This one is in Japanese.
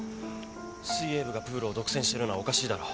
水泳部がプールを独占してるのはおかしいだろ。